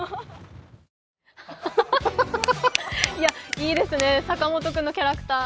いいですね、坂本君のキャラクター。